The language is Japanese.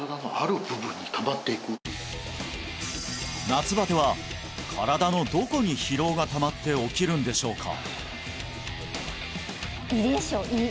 夏バテは身体のどこに疲労がたまって起きるんでしょうか？